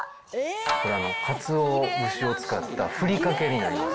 これ、かつお節を使ったふりかけになります。